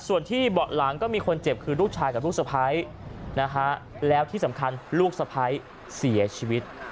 ส่วนที่เบาะหลังก็มีคนเจ็บคือลูกชายกับลูกสะพ้ายนะฮะแล้วที่สำคัญลูกสะพ้ายเสียชีวิต